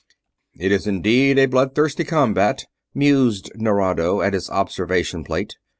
"It is indeed a bloodthirsty combat," mused Nerado at his observation plate.